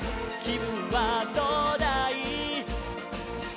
「きぶんはどうだい？」